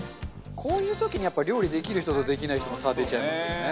こういう時にやっぱ料理できる人とできない人の差出ちゃいますよね。